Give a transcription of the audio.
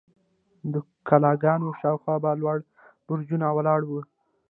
د کلاګانو شاوخوا به لوړ برجونه ولاړ وو.